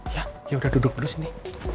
ya udah duduk dulu sini